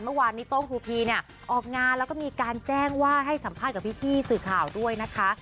เมื่อวานนี้โต้งครูพีเนี่ยออกงานแล้วก็มีการแจ้งว่าให้สัมภาษณ์กับพี่สื่อข่าวด้วยนะคะ